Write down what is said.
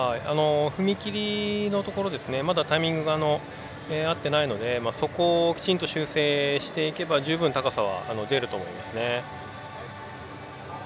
踏み切りのところまだタイミングが合ってないのでそこをきちんと修正していけば十分、高さは出ると思いますね。